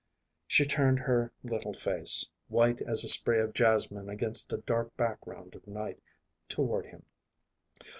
She turned her little face, white as a spray of jasmine against a dark background of night, toward him.